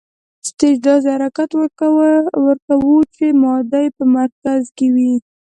سټیج داسې حرکت ورکوو چې ماده په مرکز کې وي.